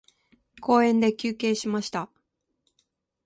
公園で休憩しました。